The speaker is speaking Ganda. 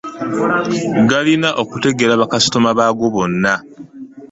Galina okutegeera bakasitoma baago bonna